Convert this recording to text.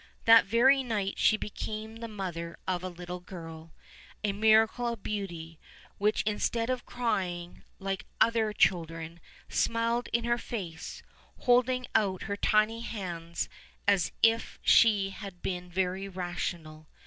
That very night she became the mother of a little girl, a miracle of beauty, which, instead of crying, like other children, smiled in her face, holding out her tiny hands as if she had been very rational.